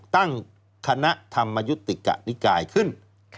ตั้งคณะธรรมยุติกนิกายขึ้น